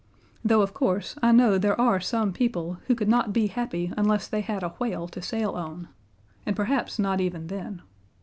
Though, of course, I know there are some people who could not be happy unless they had a whale to sail on, and perhaps not even then.